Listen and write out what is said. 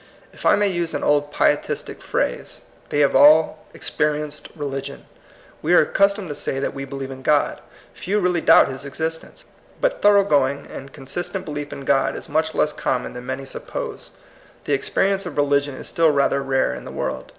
If I may use an old pietistic phrase, they have all "experienced religion." We are accustomed to say that we be lieve in God. Few really doubt his exis tence. But thorough going and consistent belief in God is much less common than many suppose. The experience of religion is still rather rare in the world.